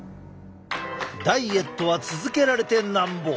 ダイエットは続けられてなんぼ！